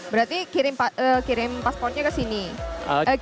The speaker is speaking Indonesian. berarti kirim paspornya ke sini